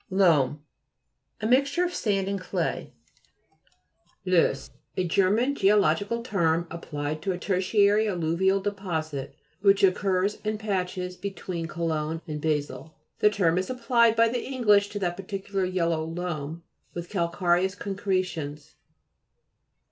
LOAM A mixture of sand and clay. LOHES Veins containing metallic ores. LOESS A German geological term, applied to a tertiary alluvial de posit, which occurs in patches be tween Cologne and Basle. The term is applied by the English to that peculiar yellow loam with cal careous concretions.